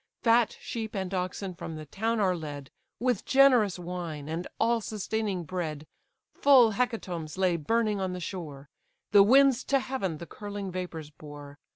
Fat sheep and oxen from the town are led, With generous wine, and all sustaining bread, Full hecatombs lay burning on the shore: The winds to heaven the curling vapours bore.